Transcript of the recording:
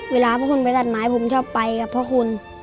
เวลาพระคุณไปตัดไม้ผมชอบไปกับพ่อคุณ